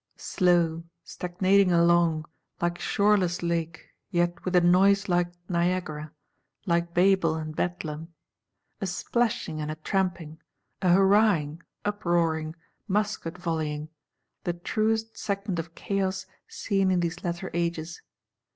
Slow; stagnating along, like shoreless Lake, yet with a noise like Niagara, like Babel and Bedlam. A splashing and a tramping; a hurrahing, uproaring, musket volleying;—the truest segment of Chaos seen in these latter Ages!